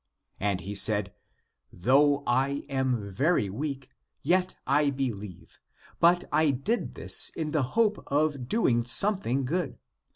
" And he said, " Though I am very weak, yet I believe. But I did this in the hope of doing something good.